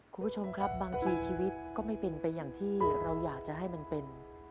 คุณผู้ชมครับบางทีชีวิตก็ไม่เป็นไปอย่างที่เราอยากจะให้มันเป็น